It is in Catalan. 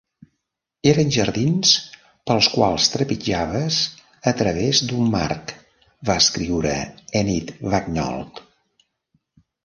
Eren jardins pels quals trepitjaves a través d'un marc, va escriure Enid Bagnold.